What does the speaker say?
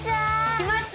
来ました。